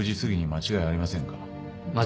間違いありません。